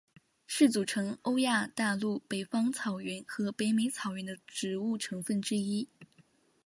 是组成欧亚大陆北方草原和北美草原的植物成分之一。